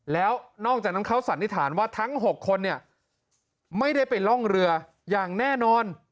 แล้วนอกจากนั้นเขาสันนิษฐานว่าทั้ง๖คนเนี่ยไม่ได้ไปร่องเรืออย่างแน่นอน